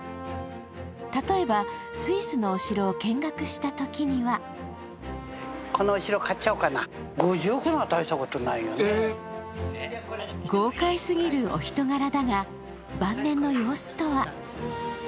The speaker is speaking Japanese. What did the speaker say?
例えばスイスのお城を見学したときには豪快すぎるお人柄だが、晩年の様子とは。